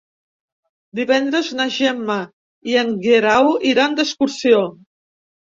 Divendres na Gemma i en Guerau iran d'excursió.